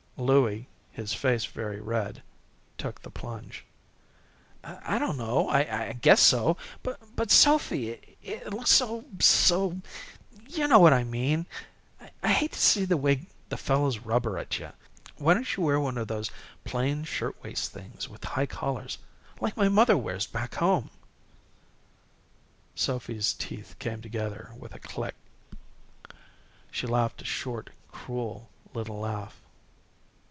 Louie, his face very red, took the plunge. "I don't know. I guess so. But, Sophy, it looks so so you know what I mean. I hate to see the way the fellows rubber at you. Why don't you wear those plain shirtwaist things, with high collars, like my mother wears back home?" Sophy's teeth came together with a click. She laughed a short cruel little laugh.